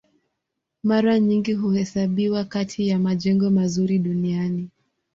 Mara nyingi huhesabiwa kati ya majengo mazuri duniani.